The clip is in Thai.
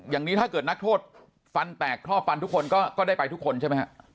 อย่างนี้ถ้าเกิดนักโทษฟันแตกท่อฟันทุกคนก็ได้ไปทุกคนใช่ไหมฮะ